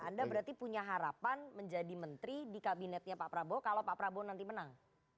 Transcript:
anda berarti punya harapan menjadi menteri di kabinetnya pak prabowo kalau pak prabowo nanti menang